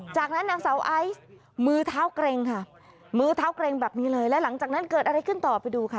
จากนั้นนางเสาไอซ์มือเท้ากรรมแบบนี้เลยและหลังจากนั้นเกิดอะไรขึ้นต่อไปดูค่ะ